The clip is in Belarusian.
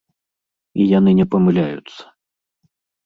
І яны не памыляюцца.